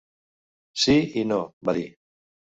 "Si i no", va dir.